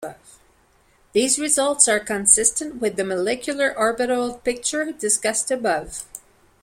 These results are consistent with the molecular orbital picture discussed above.